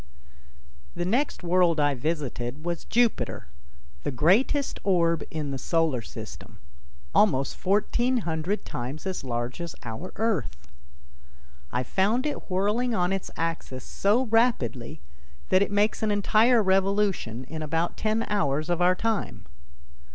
The next world I visited was Jupiter, the greatest orb in the solar system, almost fourteen hundred times as large as our Earth. I found it whirling on its axis so rapidly that it makes an entire revolution in about ten hours of our time.